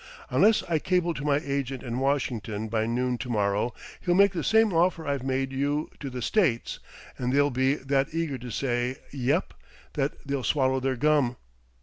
Unless I cable to my agent in Washin'ton by noon to morrow, he'll make the same offer I've made you to the States, and they'll be that eager to say 'Yep,' that they'll swallow their gum."